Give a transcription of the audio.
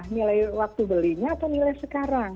nilai waktu belinya atau nilai sekarang